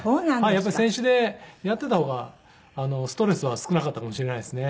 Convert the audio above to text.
やっぱり選手でやっていた方がストレスは少なかったかもしれないですね。